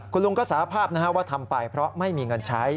คุณลุงก็สารภาพว่าทำไปเพราะไม่มีเงินใช้